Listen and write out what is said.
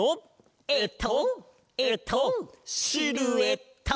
えっとえっとシルエット！